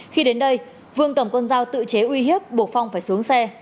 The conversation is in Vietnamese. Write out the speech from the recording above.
khi đến đây vương cầm con dao tự chế uy hiếp buộc phong phải xuống xe